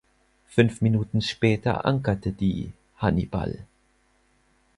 Fünf Minuten später ankerte die "Hannibal".